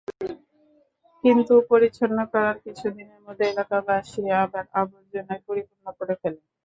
কিন্তু পরিচ্ছন্ন করার কিছুদিনের মধ্যে এলাকাবাসী আবার আবর্জনায় পরিপূর্ণ করে ফেলে।